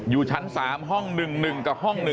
อยู่ชั้น๓ห้อง๑๑กับห้อง๑